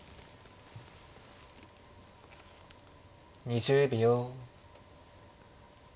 ２０秒。